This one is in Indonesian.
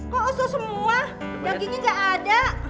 kok oso semua dagingnya gak ada